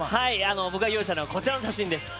僕が用意したのはこちらの写真です。